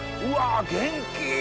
うわ元気！